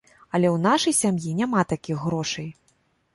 Але ў нашай сям'і няма такіх грошай.